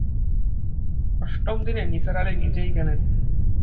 অষ্টম দিনে নিসার আলি নিজেই গেলেন।